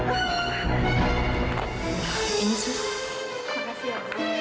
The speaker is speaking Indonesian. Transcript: terima kasih ya